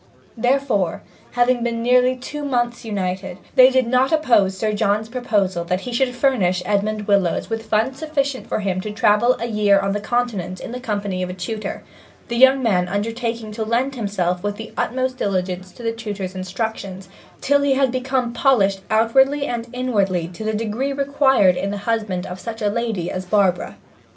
Therefore, having been nearly two months united, they did not oppose Sir John's proposal that he should furnish Edmond Willowes with funds sufficient for him to travel a year on the Continent in the company of a tutor, the young man undertaking to lend himself with the utmost diligence to the tutor's instructions, till he became polished outwardly and inwardly to the degree required in the husband of such a lady as Barbara.